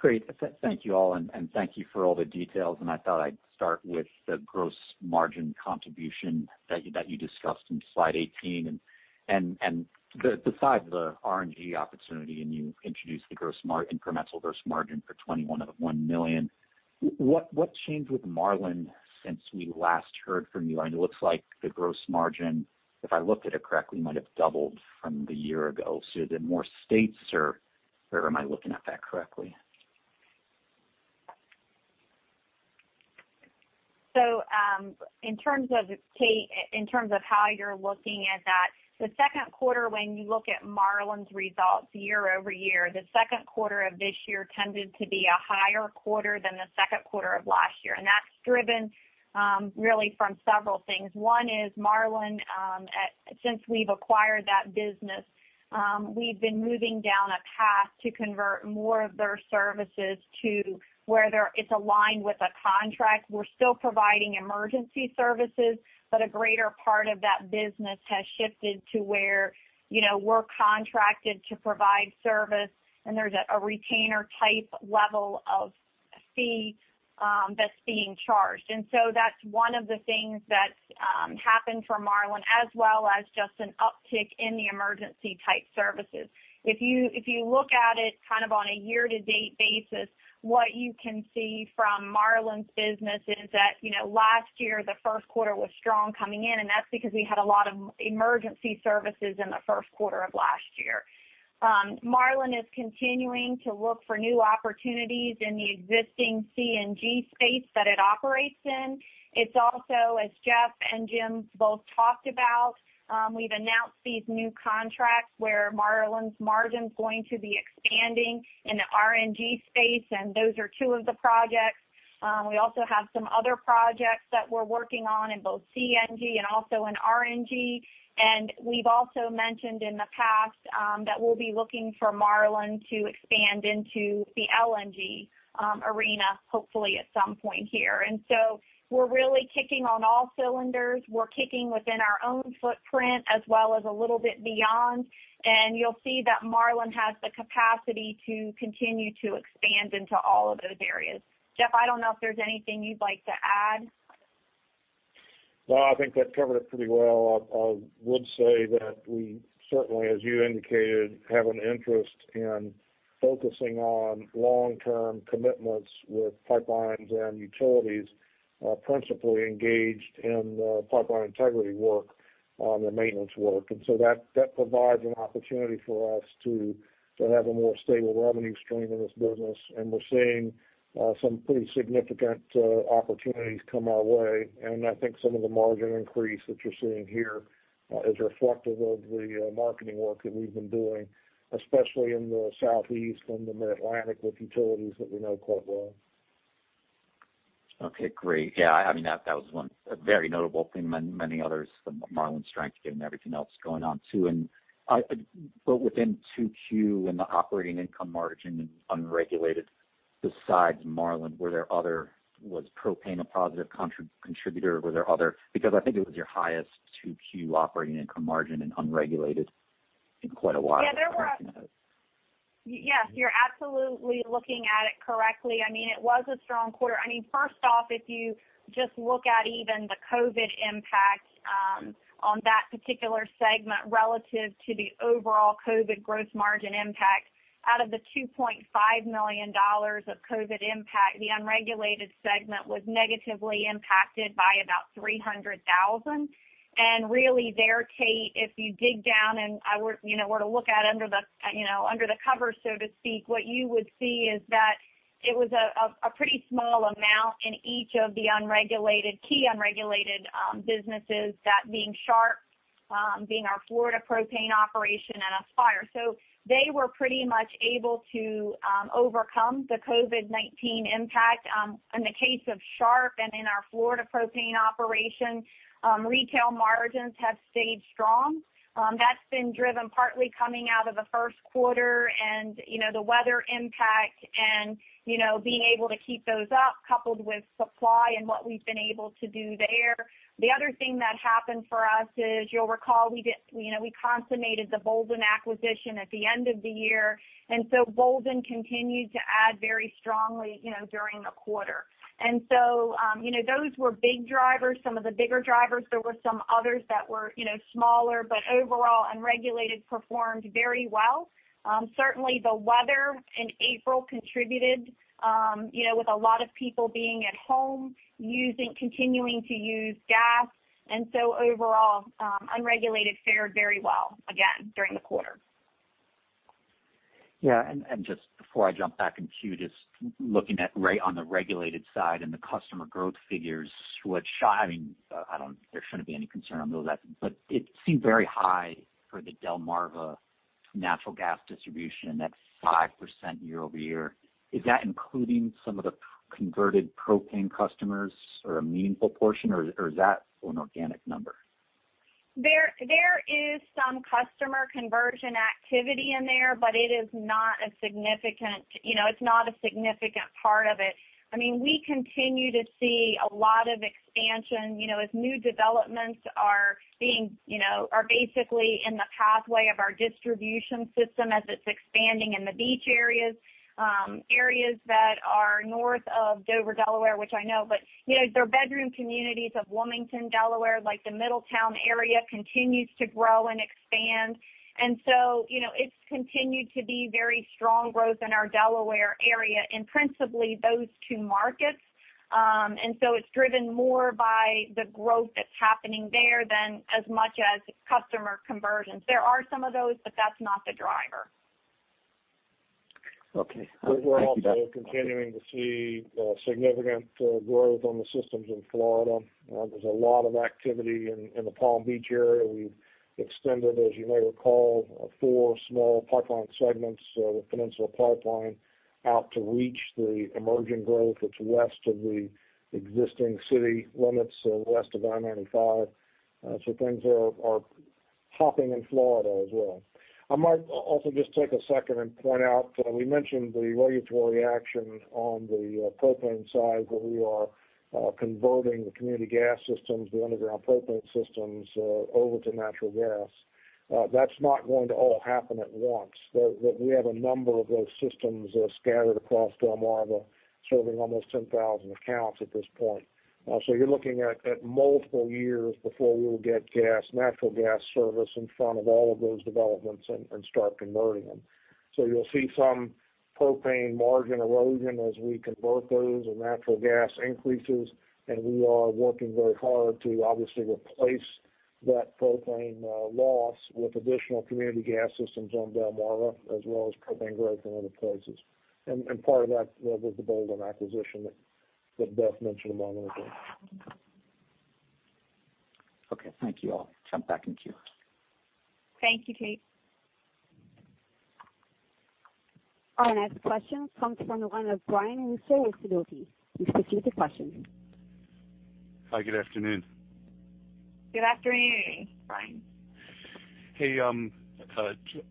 Great. Thank you all, and thank you for all the details. I thought I'd start with the gross margin contribution that you discussed in slide 18. Besides the RNG opportunity, you introduced the incremental gross margin for 2021 of $1 million. What changed with Marlin since we last heard from you? I mean, it looks like the gross margin, if I looked at it correctly, might have doubled from the year ago. More states or where am I looking at that correctly? So in terms of how you're looking at that, the second quarter, when you look at Marlin's results year over year, the second quarter of this year tended to be a higher quarter than the second quarter of last year. And that's driven really from several things. One is Marlin, since we've acquired that business, we've been moving down a path to convert more of their services to where it's aligned with a contract. We're still providing emergency services, but a greater part of that business has shifted to where we're contracted to provide service, and there's a retainer-type level of fee that's being charged. And so that's one of the things that's happened for Marlin, as well as just an uptick in the emergency-type services. If you look at it kind of on a year-to-date basis, what you can see from Marlin's business is that last year, the first quarter was strong coming in, and that's because we had a lot of emergency services in the first quarter of last year. Marlin is continuing to look for new opportunities in the existing CNG space that it operates in. It's also, as Jeff and Jim both talked about, we've announced these new contracts where Marlin's margin's going to be expanding in the RNG space, and those are two of the projects. We also have some other projects that we're working on in both CNG and also in RNG. And we've also mentioned in the past that we'll be looking for Marlin to expand into the LNG arena, hopefully at some point here. And so we're really kicking on all cylinders. We're kicking within our own footprint as well as a little bit beyond, and you'll see that Marlin has the capacity to continue to expand into all of those areas. Jeff, I don't know if there's anything you'd like to add. No, I think that covered it pretty well. I would say that we certainly, as you indicated, have an interest in focusing on long-term commitments with pipelines and utilities, principally engaged in pipeline integrity work and maintenance work. And so that provides an opportunity for us to have a more stable revenue stream in this business. And we're seeing some pretty significant opportunities come our way. And I think some of the margin increase that you're seeing here is reflective of the marketing work that we've been doing, especially in the Southeast and the Mid-Atlantic with utilities that we know quite well. Okay. Great. Yeah. I mean, that was a very notable thing. Many others, the Marlin strength and everything else going on too. And within 2Q, in the operating income margin in unregulated, besides Marlin, was Propane a positive contributor? Were there other? Because I think it was your highest 2Q operating income margin in unregulated in quite a while. Yeah, you're absolutely looking at it correctly. I mean, it was a strong quarter. I mean, first off, if you just look at even the COVID impact on that particular segment relative to the overall COVID gross margin impact, out of the $2.5 million of COVID impact, the unregulated segment was negatively impacted by about $300,000. And really, there, Tate, if you dig down and were to look at under the cover, so to speak, what you would see is that it was a pretty small amount in each of the key unregulated businesses, that being Sharp, being our Florida Propane operation, and Aspire. So they were pretty much able to overcome the COVID-19 impact. In the case of Sharp and in our Florida Propane operation, retail margins have stayed strong. That's been driven partly coming out of the first quarter and the weather impact and being able to keep those up, coupled with supply and what we've been able to do there. The other thing that happened for us is, you'll recall, we consummated the Boulden acquisition at the end of the year, and so Boulden continued to add very strongly during the quarter. And so those were big drivers, some of the bigger drivers. There were some others that were smaller, but overall, unregulated performed very well. Certainly, the weather in April contributed with a lot of people being at home, continuing to use gas. And so overall, unregulated fared very well again during the quarter. Yeah. And just before I jump back into just looking at right on the regulated side and the customer growth figures, I mean, there shouldn't be any concern on those, but it seemed very high for the Delmarva natural gas distribution, that 5% year-over-year. Is that including some of the converted propane customers or a meaningful portion, or is that an organic number? There is some customer conversion activity in there, but it is not a significant part of it. I mean, we continue to see a lot of expansion. As new developments are being basically in the pathway of our distribution system as it's expanding in the beach areas, areas that are north of Dover, Delaware, which I know, but they're bedroom communities of Wilmington, Delaware, like the Middletown area continues to grow and expand. And so it's continued to be very strong growth in our Delaware area in principally those two markets. And so it's driven more by the growth that's happening there than as much as customer conversions. There are some of those, but that's not the driver. Okay. We're also continuing to see significant growth on the systems in Florida. There's a lot of activity in the Palm Beach area. We've extended, as you may recall, four small pipeline segments with Peninsula Pipeline out to reach the emerging growth. It's west of the existing city limits, west of I-95. So things are hopping in Florida as well. I might also just take a second and point out we mentioned the regulatory action on the propane side where we are converting the community gas systems, the underground propane systems, over to natural gas. That's not going to all happen at once. We have a number of those systems scattered across Delmarva, serving almost 10,000 accounts at this point. So you're looking at multiple years before we will get natural gas service in front of all of those developments and start converting them. So you'll see some propane margin erosion as we convert those and natural gas increases. And we are working very hard to obviously replace that propane loss with additional community gas systems on Delmarva as well as propane growth in other places. And part of that was the Boulden acquisition that Beth mentioned a moment ago. Okay. Thank you all. Jump back into yours. Thank you, Tate. Our next question comes from the line of Brian Russo with Sidoti & Company. His specific question. Hi, good afternoon. Good afternoon, Brian. Hey,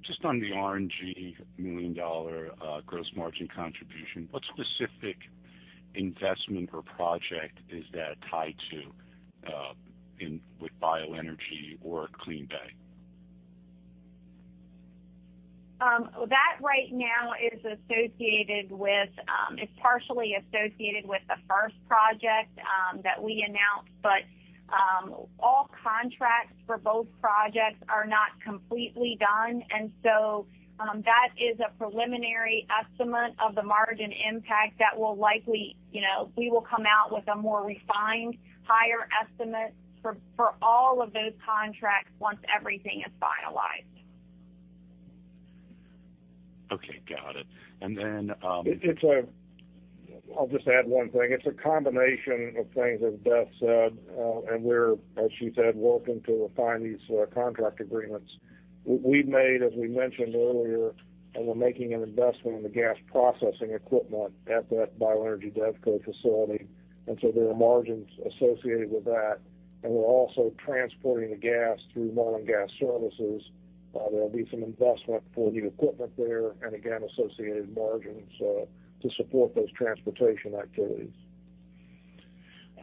just on the RNG million-dollar gross margin contribution, what specific investment or project is that tied to with Bioenergy or CleanBay? That right now is partially associated with the first project that we announced, but all contracts for both projects are not completely done. And so that is a preliminary estimate of the margin impact that will likely come out with a more refined, higher estimate for all of those contracts once everything is finalized. Okay. Got it, and then. I'll just add one thing. It's a combination of things as Beth said. And we're, as she said, working to refine these contract agreements. We've made, as we mentioned earlier, we're making an investment in the gas processing equipment at that Bioenergy DevCo facility. And so there are margins associated with that. And we're also transporting the gas through Marlin Gas Services. There'll be some investment for the equipment there and again, associated margins to support those transportation activities.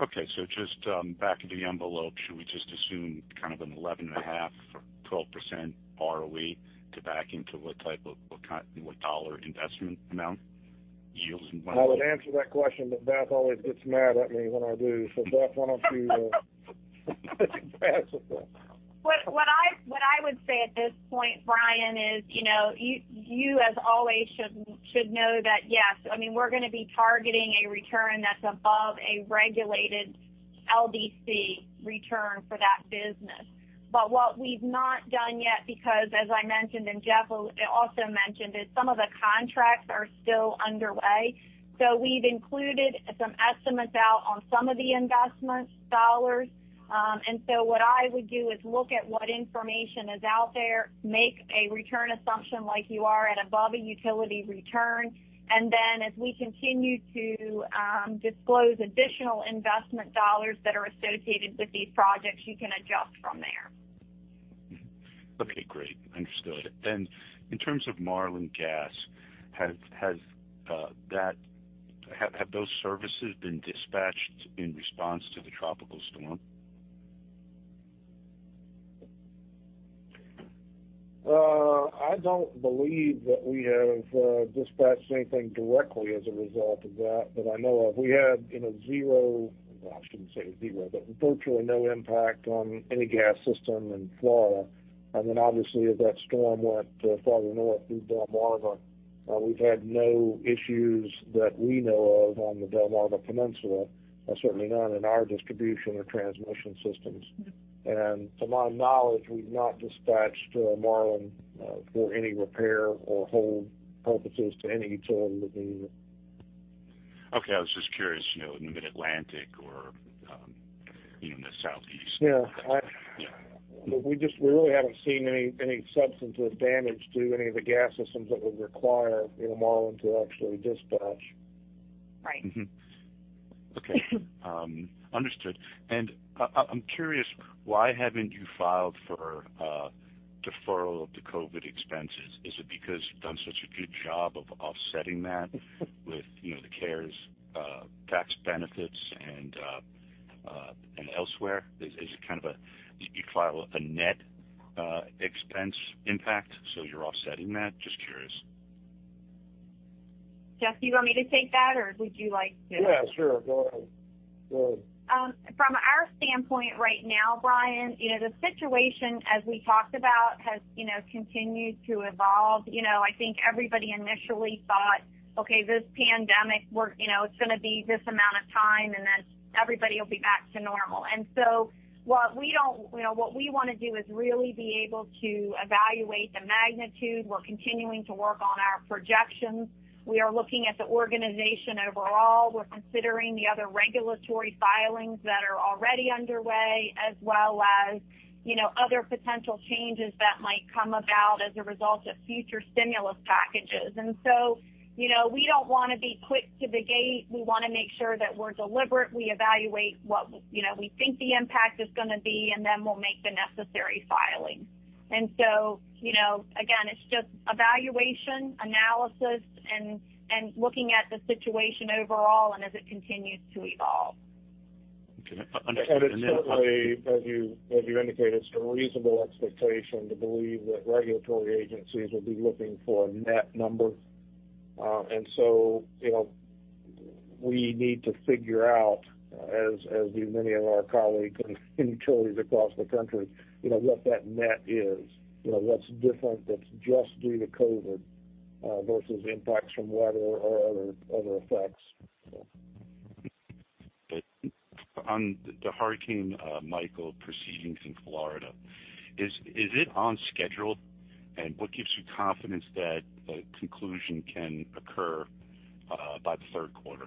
Okay. So just back into the envelope, should we just assume kind of an 11.5%-12% ROE to back into what type of dollar investment amount? I would answer that question, but Beth always gets mad at me when I do. So Beth, why don't you answer that? What I would say at this point, Brian, is you, as always, should know that, yes, I mean, we're going to be targeting a return that's above a regulated LDC return for that business. But what we've not done yet, because as I mentioned, and Jeff also mentioned, is some of the contracts are still underway. So we've included some estimates out on some of the investment dollars. And so what I would do is look at what information is out there, make a return assumption like you are at above a utility return. And then as we continue to disclose additional investment dollars that are associated with these projects, you can adjust from there. Okay. Great. Understood. And in terms of Marlin Gas, have those services been dispatched in response to the tropical storm? I don't believe that we have dispatched anything directly as a result of that, but I know of. We had zero, I shouldn't say zero, but virtually no impact on any gas system in Florida. And then obviously, as that storm went farther north through Delmarva, we've had no issues that we know of on the Delmarva Peninsula, certainly none in our distribution or transmission systems. And to my knowledge, we've not dispatched Marlin for any repair or hold purposes to any utility that needed it. Okay. I was just curious, in the Mid-Atlantic or in the Southeast? Yeah. But we really haven't seen any substantive damage to any of the gas systems that would require Marlin to actually dispatch. Right. Okay. Understood. And I'm curious, why haven't you filed for deferral of the COVID expenses? Is it because you've done such a good job of offsetting that with the CARES tax benefits and elsewhere? Is it kind of a you file a net expense impact, so you're offsetting that? Just curious. Jeff, do you want me to take that, or would you like to? Yeah, sure. Go ahead. Go ahead. From our standpoint right now, Brian, the situation, as we talked about, has continued to evolve. I think everybody initially thought, "Okay, this pandemic, it's going to be this amount of time, and then everybody will be back to normal." And so what we don't—what we want to do is really be able to evaluate the magnitude. We're continuing to work on our projections. We are looking at the organization overall. We're considering the other regulatory filings that are already underway, as well as other potential changes that might come about as a result of future stimulus packages. And so we don't want to be quick to the gate. We want to make sure that we're deliberate. We evaluate what we think the impact is going to be, and then we'll make the necessary filings. And so again, it's just evaluation, analysis, and looking at the situation overall and as it continues to evolve. Okay. Understood. It's certainly, as you indicated, it's a reasonable expectation to believe that regulatory agencies will be looking for a net number. So we need to figure out, as do many of our colleagues in utilities across the country, what that net is, what's different that's just due to COVID versus impacts from weather or other effects. But on the Hurricane Michael proceedings in Florida, is it on schedule? And what gives you confidence that the conclusion can occur by the third quarter?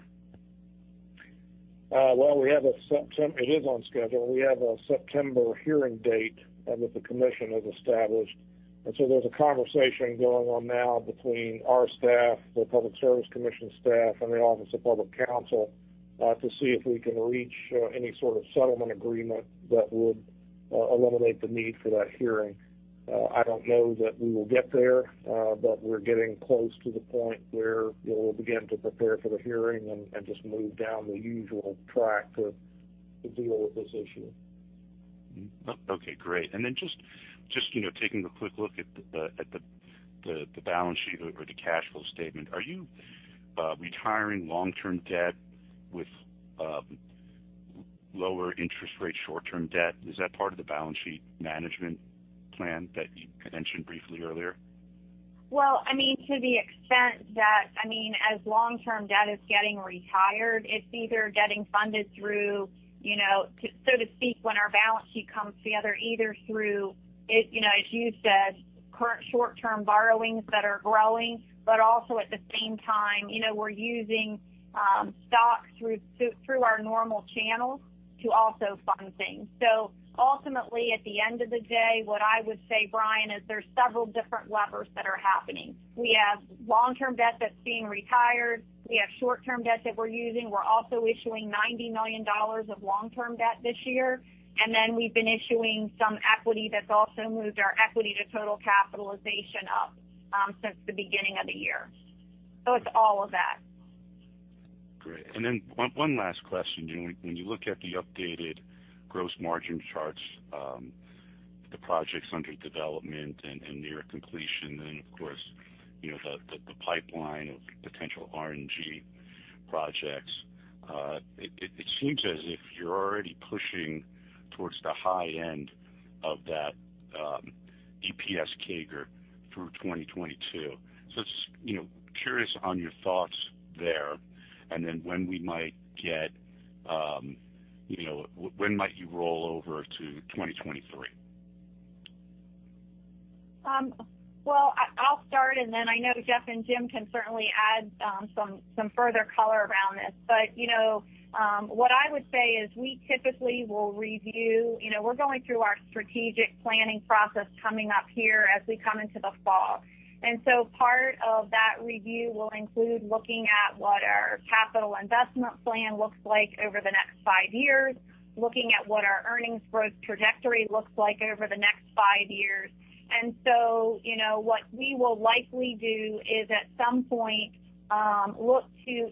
It is on schedule. We have a September hearing date that the commission has established. There's a conversation going on now between our staff, the Public Service Commission staff, and the Office of Public Counsel to see if we can reach any sort of settlement agreement that would eliminate the need for that hearing. I don't know that we will get there, but we're getting close to the point where we'll begin to prepare for the hearing and just move down the usual track to deal with this issue. Okay. Great. And then just taking a quick look at the balance sheet or the cash flow statement, are you retiring long-term debt with lower interest rate, short-term debt? Is that part of the balance sheet management plan that you mentioned briefly earlier? I mean, to the extent that, I mean, as long-term debt is getting retired, it's either getting funded through, so to speak, when our balance sheet comes together, either through, as you said, current short-term borrowings that are growing, but also at the same time, we're using stocks through our normal channels to also fund things. So ultimately, at the end of the day, what I would say, Brian, is there's several different levers that are happening. We have long-term debt that's being retired. We have short-term debt that we're using. We're also issuing $90 million of long-term debt this year. And then we've been issuing some equity that's also moved our equity to total capitalization up since the beginning of the year. So it's all of that. Great. And then one last question. When you look at the updated gross margin charts, the projects under development and near completion, and then, of course, the pipeline of potential RNG projects, it seems as if you're already pushing towards the high end of that EPS CAGR through 2022. So just curious on your thoughts there. And then when might you roll over to 2023? I'll start, and then I know Jeff and Jim can certainly add some further color around this. But what I would say is we typically will review. We're going through our strategic planning process coming up here as we come into the fall. And so part of that review will include looking at what our capital investment plan looks like over the next five years, looking at what our earnings growth trajectory looks like over the next five years. And so what we will likely do is at some point look to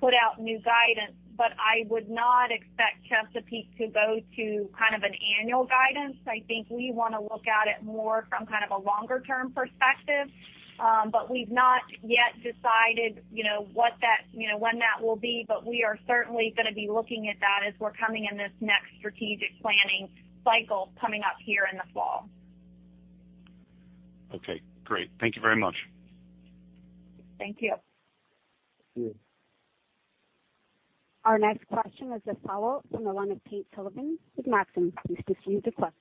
put out new guidance, but I would not expect Chesapeake to go to kind of an annual guidance. I think we want to look at it more from kind of a longer-term perspective. But we've not yet decided what, when that will be, but we are certainly going to be looking at that as we're coming in this next strategic planning cycle coming up here in the fall. Okay. Great. Thank you very much. Thank you. Thank you. Our next question is a follow-up from the line of Tate Sullivan with Maxim. Please continue to question.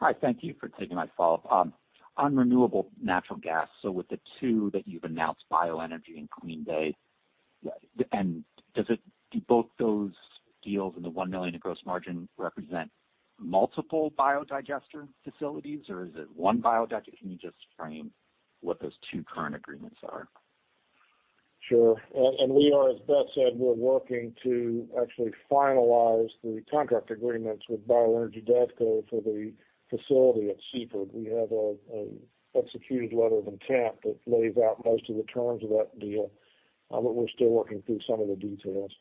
Hi. Thank you for taking my follow-up. On renewable natural gas, so with the two that you've announced, Bioenergy and CleanBay, do both those deals and the one million of gross margin represent multiple biodigester facilities, or is it one biodigester? Can you just frame what those two current agreements are? Sure. And we are, as Beth said, we're working to actually finalize the contract agreements with Bioenergy DevCo for the facility at Seaford. We have an executed letter of intent that lays out most of the terms of that deal, but we're still working through some of the details.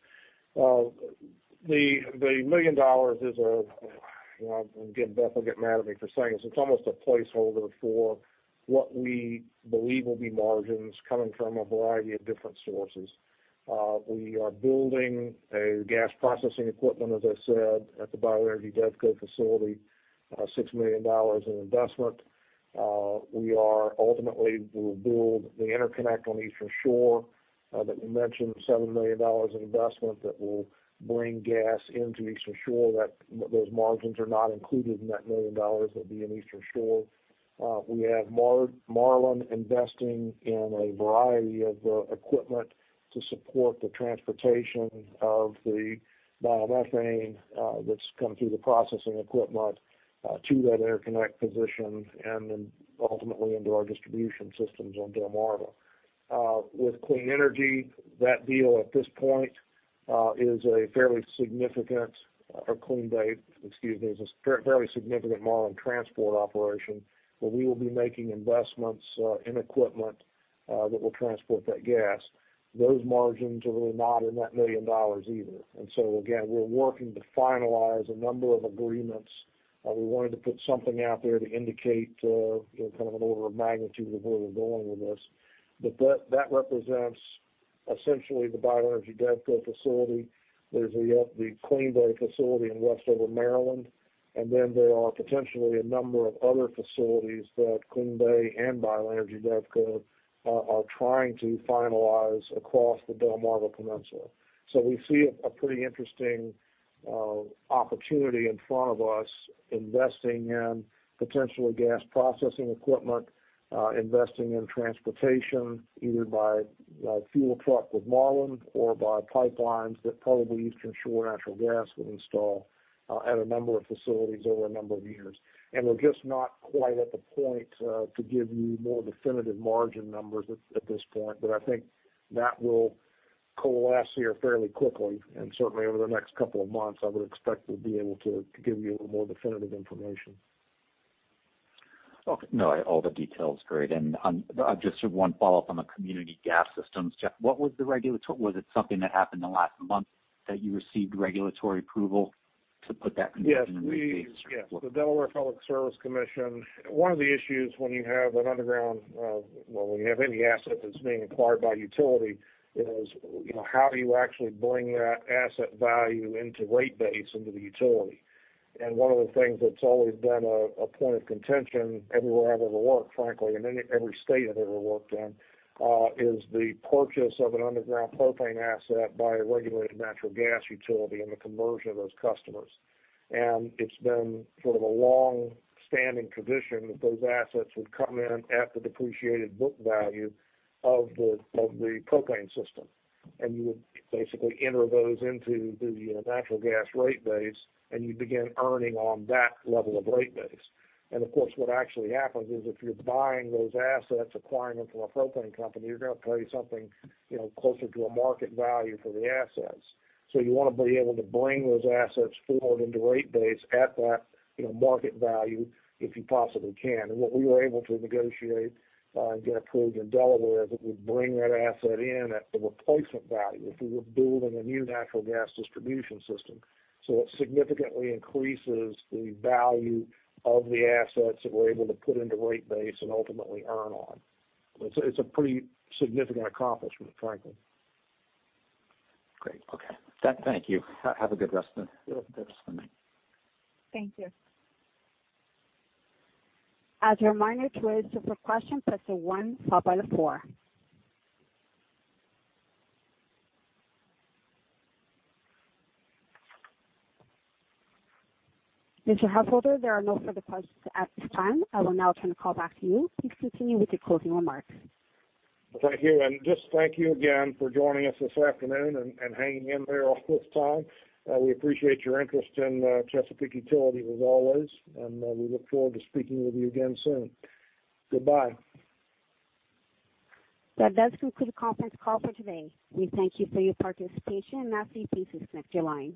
The $1 million is a, again, Beth will get mad at me for saying this, it's almost a placeholder for what we believe will be margins coming from a variety of different sources. We are building a gas processing equipment, as I said, at the Bioenergy DevCo facility, $6 million in investment. Ultimately, we will build the interconnect on Eastern Shore that we mentioned, $7 million in investment that will bring gas into Eastern Shore. Those margins are not included in that $1 million that will be in Eastern Shore. We have Marlin investing in a variety of equipment to support the transportation of the biomethane that's come through the processing equipment to that interconnect position and then ultimately into our distribution systems on Delmarva. With Clean Energy, that deal at this point is a fairly significant—or CleanBay, excuse me—is a fairly significant Marlin transport operation where we will be making investments in equipment that will transport that gas. Those margins are really not in that million dollars either. And so again, we're working to finalize a number of agreements. We wanted to put something out there to indicate kind of an order of magnitude of where we're going with this. But that represents essentially the Bioenergy DevCo facility. There's the CleanBay facility in Westover, Maryland. And then there are potentially a number of other facilities that CleanBay and Bioenergy DevCo are trying to finalize across the Delmarva Peninsula. So we see a pretty interesting opportunity in front of us investing in potentially gas processing equipment, investing in transportation, either by fuel truck with Marlin or by pipelines that probably Eastern Shore Natural Gas will install at a number of facilities over a number of years. And we're just not quite at the point to give you more definitive margin numbers at this point, but I think that will coalesce here fairly quickly. And certainly, over the next couple of months, I would expect we'll be able to give you a little more definitive information. Okay. No, all the detail is great. And just one follow-up on the community gas systems. Jeff, what was the regulatory, was it something that happened in the last month that you received regulatory approval to put that conclusion in the rate base? Yes. The Delaware Public Service Commission. One of the issues when you have an underground, well, when you have any asset that's being acquired by utility is how do you actually bring that asset value into rate base into the utility? And one of the things that's always been a point of contention everywhere I've ever worked, frankly, in every state I've ever worked in, is the purchase of an underground propane asset by a regulated natural gas utility and the conversion of those customers. And it's been sort of a long-standing tradition that those assets would come in at the depreciated book value of the propane system. And you would basically enter those into the natural gas rate base, and you'd begin earning on that level of rate base. And of course, what actually happens is if you're buying those assets, acquiring them from a propane company, you're going to pay something closer to a market value for the assets. So you want to be able to bring those assets forward into rate base at that market value if you possibly can. And what we were able to negotiate and get approved in Delaware is that we'd bring that asset in at the replacement value if we were building a new natural gas distribution system. So it significantly increases the value of the assets that we're able to put into rate base and ultimately earn on. It's a pretty significant accomplishment, frankly. Great. Okay. Thank you. Have a good rest of the day. Thank you. As a reminder, to raise support questions, press 1, followed by the 4. Mr. Householder, there are no further questions at this time. I will now turn the call back to you. Please continue with your closing remarks. Thank you. Just thank you again for joining us this afternoon and hanging in there all this time. We appreciate your interest in Chesapeake Utilities as always, and we look forward to speaking with you again soon. Goodbye. That does conclude the conference call for today. We thank you for your participation, and now, please disconnect your line.